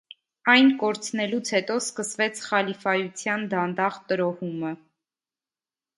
Այն կորցնելուց հետո սկսվեց խալիֆայության դանդաղ տրոհումը։